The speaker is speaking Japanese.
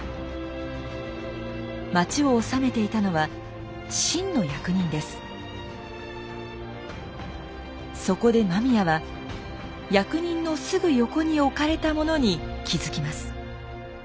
町を治めていたのはそこで間宮は役人のすぐ横に置かれたものに気付きます。